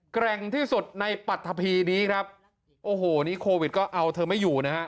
แกร่งที่สุดในปรัฐพีนี้ครับโอ้โหนี่โควิดก็เอาเธอไม่อยู่นะฮะ